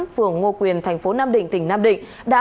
phường ngo quyền tp nam định tỉnh nam định